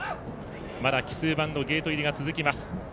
奇数番のゲート入りが続きます。